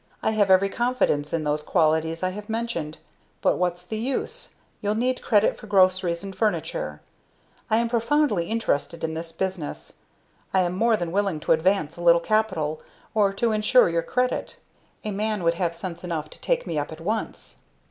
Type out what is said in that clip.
I have every confidence in those qualities I have mentioned! But what's the use? You'll need credit for groceries and furniture. I am profoundly interested in this business. I am more than willing to advance a little capital, or to ensure your credit. A man would have sense enough to take me up at once."